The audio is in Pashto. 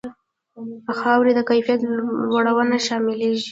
د خاورې د کیفیت لوړونه شاملیږي.